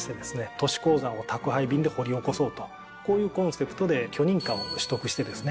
都市鉱山を宅配便で掘り起こそうとこういうコンセプトで許認可を取得してですね